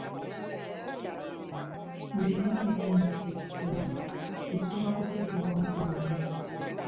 Ng’ennyumba tennaserekebwa esooka kuteekebwako bbiimu.